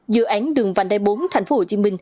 dự án đường vành đai bốn tp hcm